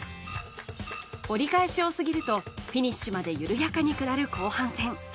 折り返しを過ぎるとフィニッシュまで緩やかに下る後半戦。